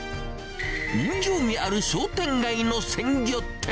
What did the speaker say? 人情味ある商店街の鮮魚店。